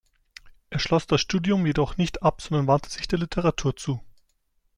Er schloss das Studium jedoch nicht ab, sondern wandte sich der Literatur zu.